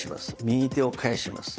右手を返します。